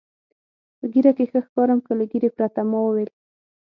په ږیره کې ښه ښکارم که له ږیرې پرته؟ ما وویل.